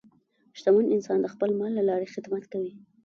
شتمن انسان د خپل مال له لارې خدمت کوي.